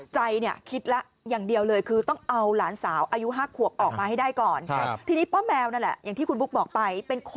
ใจเนี่ยคิดแล้วอย่างเดียวเลยคือต้องเอาหลานสาวอายุ๕ขวบออกมาให้ได้ก่อน